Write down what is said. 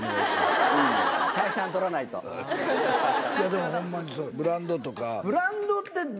でもホンマにブランドとか。